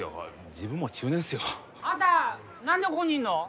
自分もう中年っすよあんた何でここにいんの？